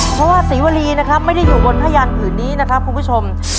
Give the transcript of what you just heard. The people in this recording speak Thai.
เพราะว่าศรีวรีนะครับไม่ได้อยู่บนผ้ายันผืนนี้นะครับคุณผู้ชม